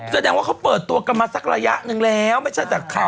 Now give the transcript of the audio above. แสดงว่าเขาเปิดตัวกันมาสักระยะหนึ่งแล้วไม่ใช่แต่ข่าว